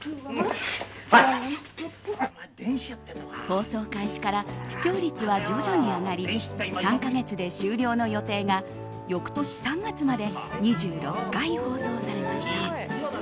放送開始から視聴率は徐々に上がり３か月で終了の予定が翌年３月まで２６回、放送されました。